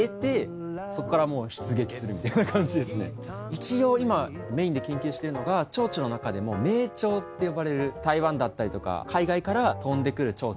一応今メインで研究してるのが蝶々の中でも迷蝶って呼ばれる台湾だったりとか海外から飛んでくる蝶々。